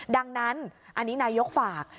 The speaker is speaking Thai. ดังนั้นอันนี้นายกฝาก